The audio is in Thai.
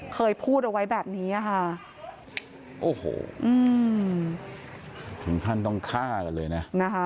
เคยพูดเอาไว้แบบนี้อ่ะค่ะถึงท่านต้องฆ่ากันเลยนะ